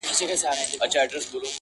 قاسم یاره دوی لقب د اِبهام راوړ,